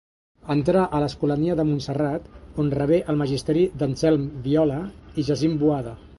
Entrà a l'Escolania de Montserrat, on rebé el magisteri d'Anselm Viola i Jacint Boada.